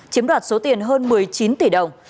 chiếm đoạt số tiền hơn một mươi chín tỷ đồng